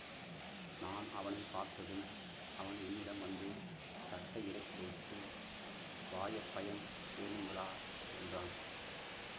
நான் அவனைப் பார்த்ததும், அவன் என்னிடம் வந்து, தட்டை இறக்கி வைத்து— வாயப்பயம் வேணுங்களா என்றான்.